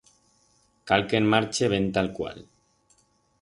Cal que en marche ben talcual.